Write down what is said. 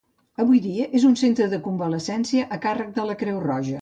Avui dia és un centre de convalescència a càrrec de la Creu Roja.